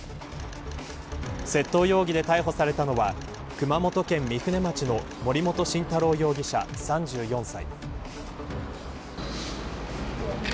窃盗容疑で逮捕されたのは熊本県、御船町の森本晋太郎容疑者、３４歳。